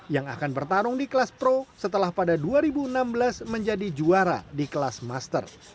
yang akan bertarung di kelas pro setelah pada dua ribu enam belas menjadi juara di kelas master